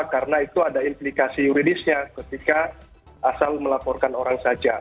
karena itu ada implikasi juridisnya ketika asal melaporkan orang saja